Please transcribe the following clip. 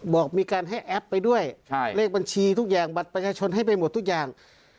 บอกมีการให้แอปไปด้วยเลขบัญชีทุกอย่างบัตรประชาชนให้ไปหมดทุกอย่าง